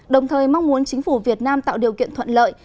đồng thời mong muốn chính phủ việt nam tạo điều kiện thuận lợi